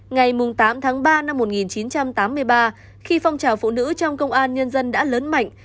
ngày tám tháng ba năm một nghìn chín trăm tám mươi ba khi phong trào phụ nữ trong công an nhân dân đã lớn mạnh